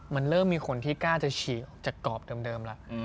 มันเริ่มมีคนที่กล้าจะฉีกออกจากกรอบเดิมแล้ว